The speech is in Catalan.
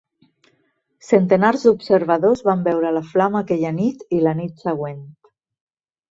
Centenars d'observadors van veure la flama aquella nit i la nit següent.